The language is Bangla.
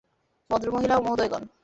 ভদ্রমহিলা ও মহোদয়গণ।